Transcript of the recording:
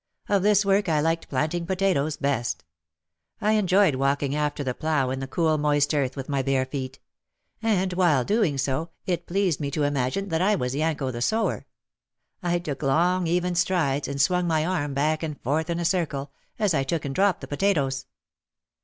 Of this work I liked planting potatoes best. I enjoyed walking after the plough in the cool moist earth with my bare feet. And while doing so, it pleased me to imagine that I was Yanko the sower. I took long even strides and swung my arm back and forth in a circle, as I took and dropped the potatoes.